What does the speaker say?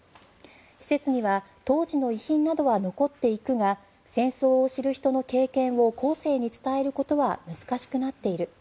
施設には当時の遺品などは残っていくが戦争を知る人の経験を後世に伝えることは難しくなっている。